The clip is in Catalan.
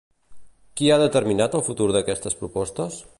Qui ha determinat el futur d'aquestes propostes?